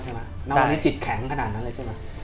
แล้วตอนนี้จิตแข็งขนาดนั้นเลยใช่มั้ย